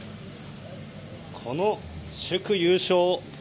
この祝優勝。